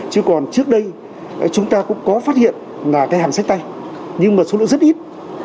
chứ còn trước đây chúng ta cũng có phát hiện hàng sách tay nhưng số lượng rất ít